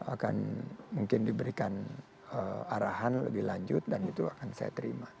akan mungkin diberikan arahan lebih lanjut dan itu akan saya terima